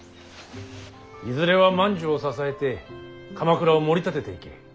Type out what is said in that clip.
いずれは万寿を支えて鎌倉をもり立てていけ。